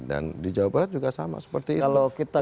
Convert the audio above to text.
dan di jawa barat juga sama seperti itu